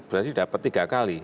berarti dapat tiga kali